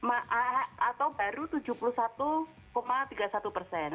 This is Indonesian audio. atau baru tujuh puluh satu tiga puluh satu persen